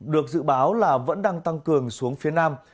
được dự báo là vẫn đang tăng cường xuống phía nam